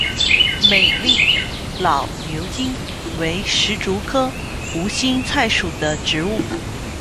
美丽老牛筋为石竹科无心菜属的植物。